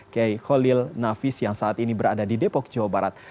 kiai kholil nafis yang saat ini berada di depok jawa barat